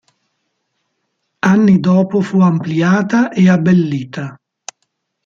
Anni dopo fu ampliata e abbellita.